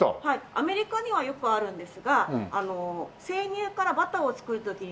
アメリカにはよくあるんですが生乳からバターを作る時に出る副産物。